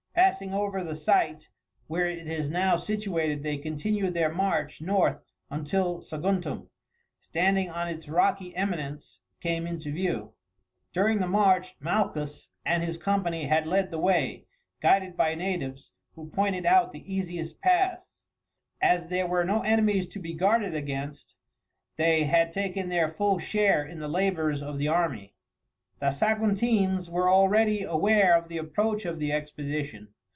Passing over the site where it is now situated they continued their march north until Saguntum, standing on its rocky eminence, came into view. During the march Malchus and his company had led the way, guided by natives, who pointed out the easiest paths. As there were no enemies to be guarded against, they had taken their full share in the labours of the army. The Saguntines were already aware of the approach of the expedition.